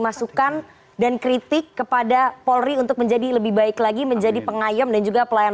masukan dan kritik kepada polri untuk menjadi lebih baik lagi menjadi pengayom dan juga pelayan